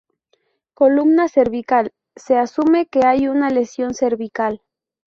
Columna cervical: Se asume que hay una lesión cervical.